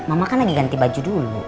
mama kan lagi ganti baju dulu